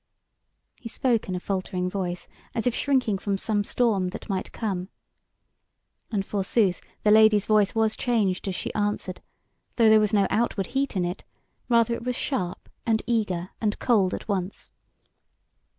He spoke in a faltering voice, as if shrinking from some storm that might come. And forsooth the Lady's voice was changed as she answered, though there was no outward heat in it; rather it was sharp and eager and cold at once.